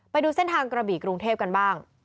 ไปดูเส้นทางกระบี่กรุงเทพกันบ้าง